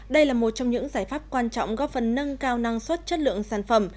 đây là một trong những giải pháp quan trọng góp phần nâng cao năng suất chất lượng sản phẩm